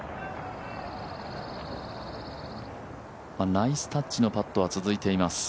ナイスタッチのパットは続いています。